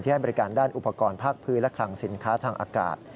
ให้บริการด้านอุปกรณ์ภาคพื้นและคลังสินค้าทางอากาศ